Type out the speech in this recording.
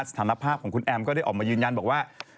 สถานภาพของคุณแอมก็ได้ออกมายืนยันบอกว่า